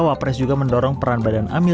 wapres juga mendorong peran badan amil